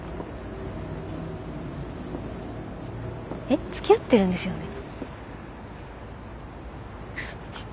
えっつきあってるんですよね？